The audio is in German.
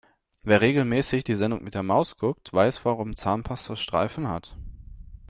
Wer regelmäßig die Sendung mit der Maus guckt, weiß warum Zahnpasta Streifen hat.